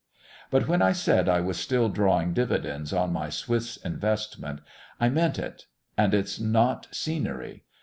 But when I said I was still drawing dividends on my Swiss investment, I meant it. And it's not "scenery."